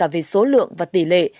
về số lượng và tỷ lệ